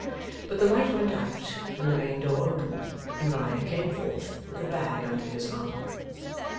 But the light went out, and the main door opened, and Riah came forth with a bag under his arm.